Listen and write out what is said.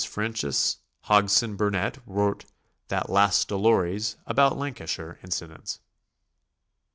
Frances Hodgson Burnett wrote "That Lass o' Lowries ''about Lancashire incidents.